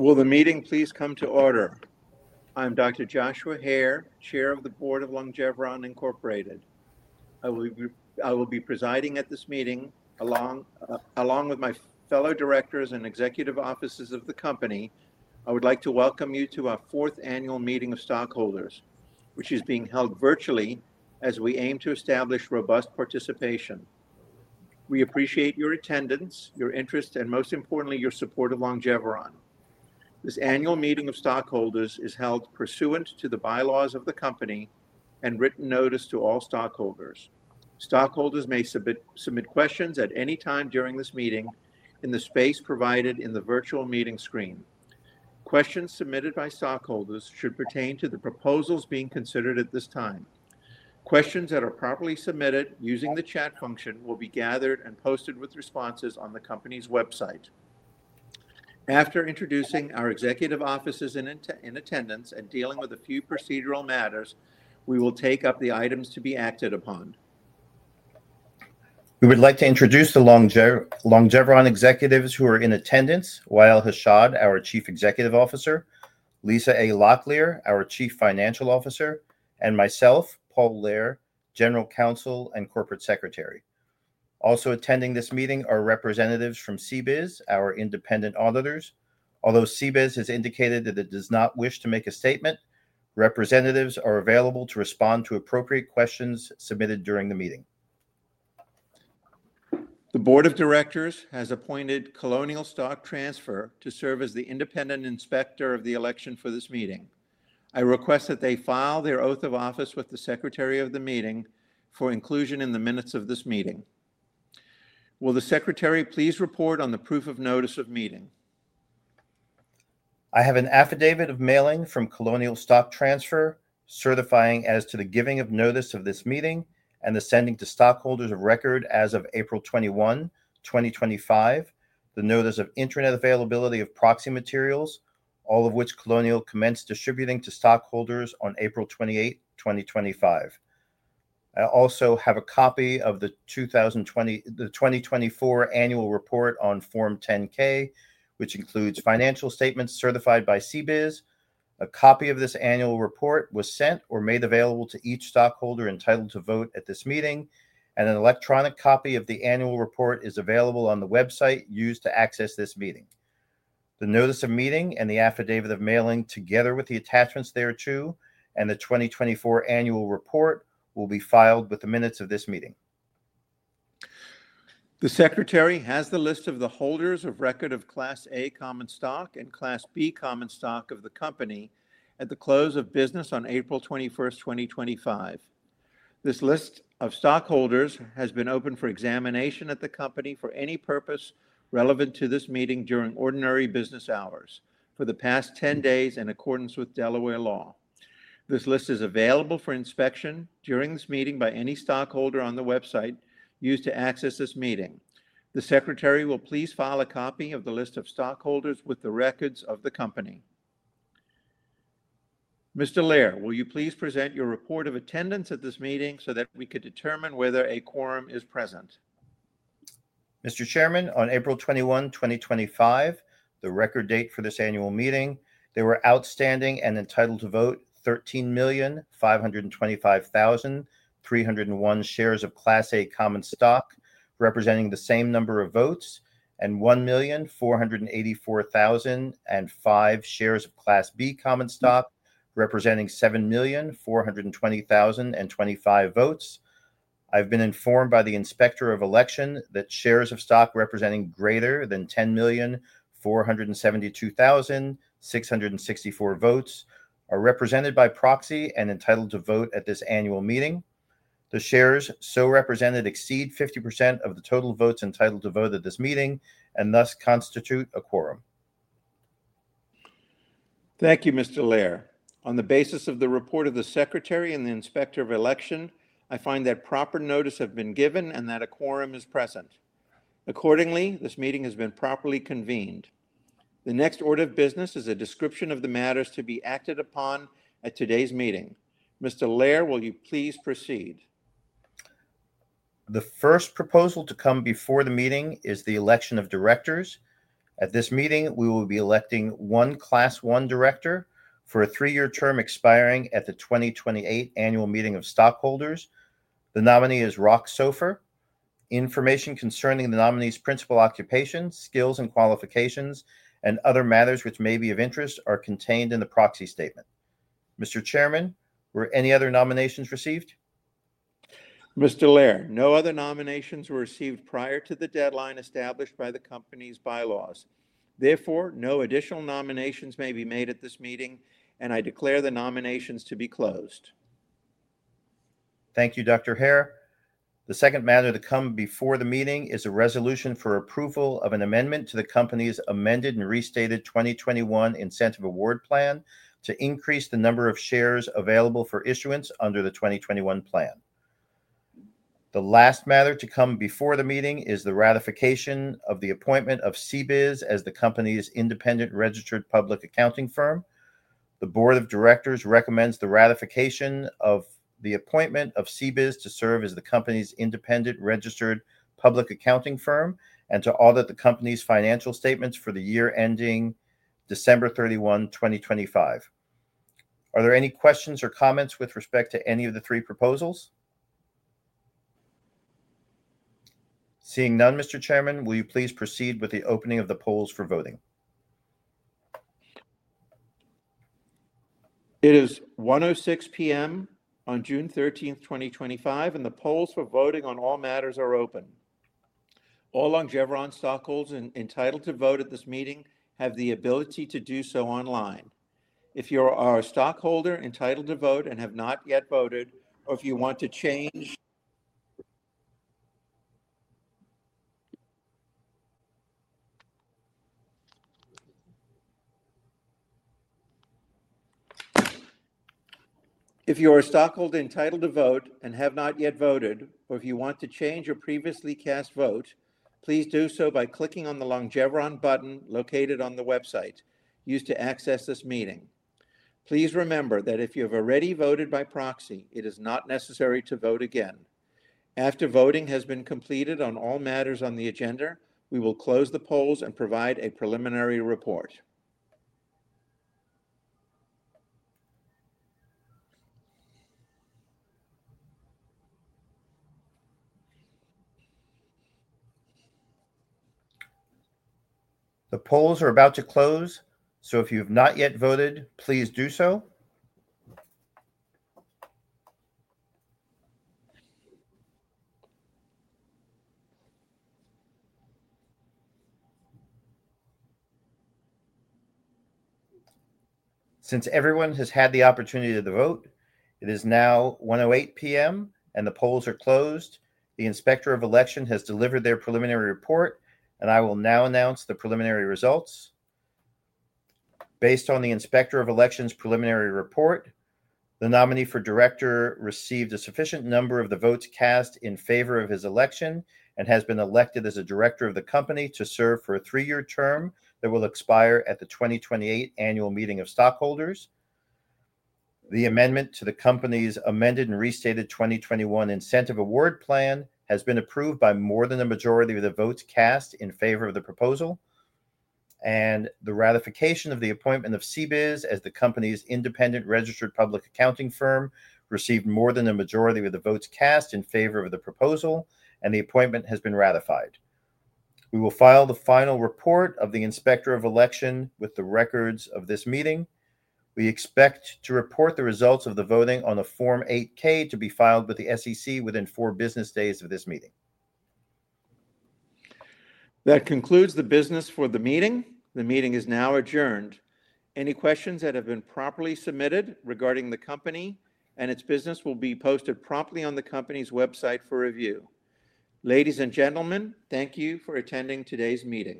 Will the meeting please come to order? I'm Dr. Joshua Hare, Chair of the Board of Longeveron. I will be presiding at this meeting along with my fellow directors and executive offices of the company. I would like to welcome you to our fourth annual meeting of stockholders, which is being held virtually as we aim to establish robust participation. We appreciate your attendance, your interest, and most importantly, your support of Longeveron. This annual meeting of stockholders is held pursuant to the bylaws of the company and written notice to all stockholders. Stockholders may submit questions at any time during this meeting in the space provided in the virtual meeting screen. Questions submitted by stockholders should pertain to the proposals being considered at this time. Questions that are properly submitted using the chat function will be gathered and posted with responses on the company's website. After introducing our executive offices in attendance and dealing with a few procedural matters, we will take up the items to be acted upon. We would like to introduce the Longeveron executives who are in attendance: Wa'el Hashad, our Chief Executive Officer; Lisa A. Locklear, our Chief Financial Officer; and myself, Paul Lehr, General Counsel and Corporate Secretary. Also attending this meeting are representatives from CBIZ, our independent auditors. Although CBIZ has indicated that it does not wish to make a statement, representatives are available to respond to appropriate questions submitted during the meeting. The Board of Directors has appointed Colonial Stock Transfer to serve as the independent inspector of the election for this meeting. I request that they file their oath of office with the Secretary of the Meeting for inclusion in the minutes of this meeting. Will the Secretary please report on the proof of notice of meeting? I have an affidavit of mailing from Colonial Stock Transfer certifying as to the giving of notice of this meeting and the sending to stockholders of record as of April 21, 2025, the notice of internet availability of proxy materials, all of which Colonial commenced distributing to stockholders on April 28, 2025. I also have a copy of the 2024 annual report on Form 10-K, which includes financial statements certified by CBIZ. A copy of this annual report was sent or made available to each stockholder entitled to vote at this meeting, and an electronic copy of the annual report is available on the website used to access this meeting. The notice of meeting and the affidavit of mailing, together with the attachments thereto, and the 2024 annual report will be filed with the minutes of this meeting. The Secretary has the list of the holders of record of Class A Common Stock and Class B Common Stock of the company at the close of business on April 21, 2025. This list of stockholders has been open for examination at the company for any purpose relevant to this meeting during ordinary business hours for the past 10 days in accordance with Delaware law. This list is available for inspection during this meeting by any stockholder on the website used to access this meeting. The Secretary will please file a copy of the list of stockholders with the records of the company. Mr. Lehr, will you please present your report of attendance at this meeting so that we could determine whether a quorum is present? Mr. Chairman, on April 21, 2025, the record date for this annual meeting, there were outstanding and entitled to vote 13,525,301 shares of Class A Common Stock representing the same number of votes and 1,484,005 shares of Class B Common Stock representing 7,420,025 votes. I've been informed by the Inspector of Election that shares of stock representing greater than 10,472,664 votes are represented by proxy and entitled to vote at this annual meeting. The shares so represented exceed 50% of the total votes entitled to vote at this meeting and thus constitute a quorum. Thank you, Mr. Lehr. On the basis of the report of the Secretary and the Inspector of Election, I find that proper notice has been given and that a quorum is present. Accordingly, this meeting has been properly convened. The next order of business is a description of the matters to be acted upon at today's meeting. Mr. Lehr, will you please proceed? The first proposal to come before the meeting is the election of directors. At this meeting, we will be electing one Class 1 director for a three-year term expiring at the 2028 annual meeting of stockholders. The nominee is Rock Sofer. Information concerning the nominee's principal occupation, skills and qualifications, and other matters which may be of interest are contained in the proxy statement. Mr. Chairman, were any other nominations received? Mr. Lehr, no other nominations were received prior to the deadline established by the company's bylaws. Therefore, no additional nominations may be made at this meeting, and I declare the nominations to be closed. Thank you, Dr. Hare. The second matter to come before the meeting is a resolution for approval of an amendment to the company's amended and restated 2021 Incentive Award Plan to increase the number of shares available for issuance under the 2021 plan. The last matter to come before the meeting is the ratification of the appointment of CBIZ as the company's independent registered public accounting firm. The Board of Directors recommends the ratification of the appointment of CBIZ to serve as the company's independent registered public accounting firm and to audit the company's financial statements for the year ending December 31, 2025. Are there any questions or comments with respect to any of the three proposals? Seeing none, Mr. Chairman, will you please proceed with the opening of the polls for voting? It is 1:06 P.M. on June 13, 2025, and the polls for voting on all matters are open. All Longeveron stockholders entitled to vote at this meeting have the ability to do so online. If you are a stockholder entitled to vote and have not yet voted, or if you want to change your previously cast vote, please do so by clicking on the Longeveron button located on the website used to access this meeting. Please remember that if you have already voted by proxy, it is not necessary to vote again. After voting has been completed on all matters on the agenda, we will close the polls and provide a preliminary report. The polls are about to close, so if you have not yet voted, please do so. Since everyone has had the opportunity to vote, it is now 1:08 P.M. and the polls are closed. The Inspector of Election has delivered their preliminary report, and I will now announce the preliminary results. Based on the Inspector of Election's preliminary report, the nominee for director received a sufficient number of the votes cast in favor of his election and has been elected as a director of the company to serve for a three-year term that will expire at the 2028 annual meeting of stockholders. The amendment to the company's amended and restated 2021 Incentive Award Plan has been approved by more than a majority of the votes cast in favor of the proposal, and the ratification of the appointment of CBIZ as the company's independent registered public accounting firm received more than a majority of the votes cast in favor of the proposal, and the appointment has been ratified. We will file the final report of the Inspector of Election with the records of this meeting. We expect to report the results of the voting on a Form 8-K to be filed with the SEC within four business days of this meeting. That concludes the business for the meeting. The meeting is now adjourned. Any questions that have been properly submitted regarding the company and its business will be posted promptly on the company's website for review. Ladies and gentlemen, thank you for attending today's meeting.